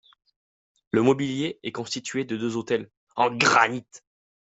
Le mobilier est constitué de deux autels en granite.